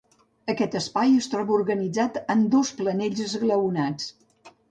Aquest espai es troba organitzat en dos planells esglaonats.